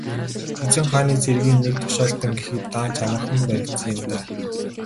Эзэн хааны цэргийн нэг тушаалтан гэхэд даанч амархан баригдсан юм даа.